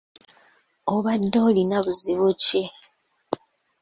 Obadde olina buzibu ki?